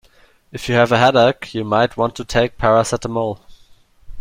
If you have a headache you might want to take a paracetamol